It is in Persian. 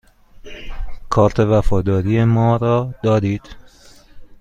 کارت وفاداری ما را دارید؟